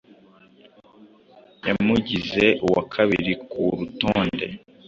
yamugize uwa kabiri ku rutonde